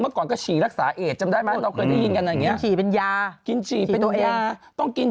เมื่อก่อนก็ฉี่รักษาเอทจำได้ไหมเราเคยได้ยินกันอย่างนี้